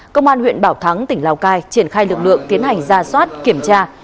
công an huyện bảo thắng tỉnh lào cai triển khai lực lượng tiến hành ra soát kiểm tra